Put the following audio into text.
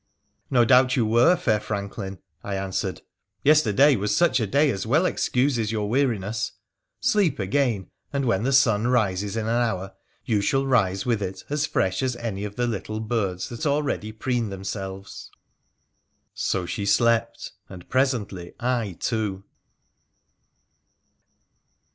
' No doubt you were, fair franklin,' I answered. ' Yester day was such a day as well excuses your weariness. Sleep again, and when the sun rises in an hour you shall rise with it as fresh as any of the little birds that already preen them selves.' So she slept— and presently I too.